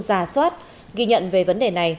giả soát ghi nhận về vấn đề này